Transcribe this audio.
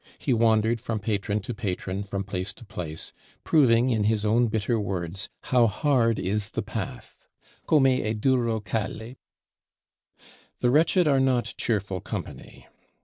He wandered from patron to patron, from place to place; proving, in his own bitter words, "How hard is the path (Come è duro calle)." The wretched are not cheerful company.